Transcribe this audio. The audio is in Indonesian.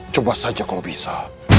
coba saja kalau bisa